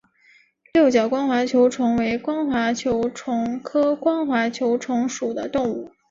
六角光滑球虫为光滑球虫科光滑球虫属的动物。